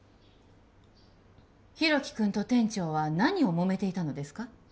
大樹くんと店長は何をもめていたのですか？